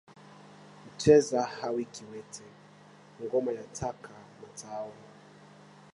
Mcheza hawi kiwete, ngoma yataka matao